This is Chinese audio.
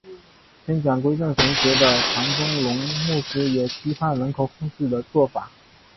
宣讲归正神学的唐崇荣牧师也批判人口控制的做法。